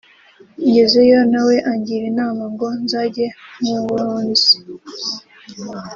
ngezeyo na we angira inama ngo nzajye mu bunzi